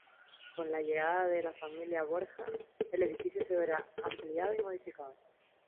Con la llegada de la familia Borja, el edificio se verá ampliado y modificado.